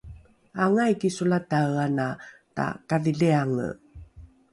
aangai kisolatae ana takadhiliange?